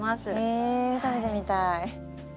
へえ食べてみたい。